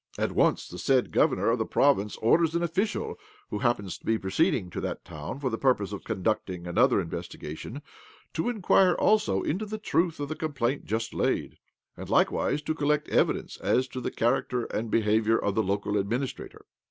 At once the said governor of the province orders an official who happens to be proceeding to that town for the purpose of conducting another investi gation to inquire also into the truth of the complaint just laid, and likewise to collect evidence as to the character and behaviour of the local administrator.